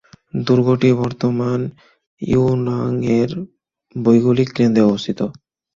দুর্গটি বর্তমান ইওনাংয়ের ভৌগোলিক কেন্দ্রে অবস্থিত।